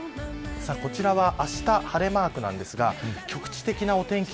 こちらはあした晴れマークですが局地的なお天気